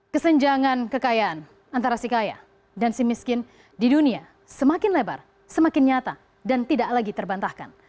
kesenjangan kekayaan antara si kaya dan si miskin di dunia semakin lebar semakin nyata dan tidak lagi terbantahkan